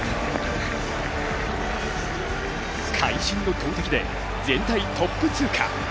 会心の投てきで全体トップ通過。